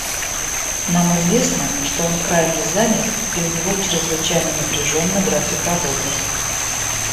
Нам известно, что он крайне занят и у него чрезвычайно напряженный график работы.